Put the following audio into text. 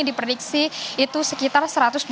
di prediksi itu sekitar satu ratus dua puluh delapan